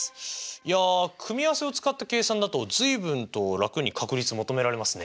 いや組み合わせを使った計算だと随分と楽に確率求められますね。